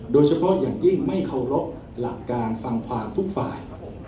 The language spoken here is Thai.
โดยเฉพาะอย่างยิ่งไม่เคารพหลักการฟังความทุกฝ่าย